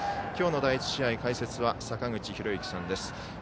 今日の第１試合解説は坂口裕之さんです。